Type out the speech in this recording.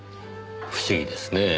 不思議ですねぇ。